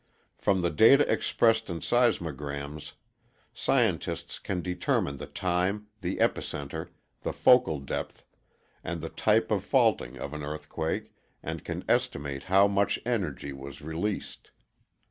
From the data expressed in seismograms, scientists can determine the time, the epicenter, the focal depth, and the type of faulting of an earthquake and can estimate how much energy was released.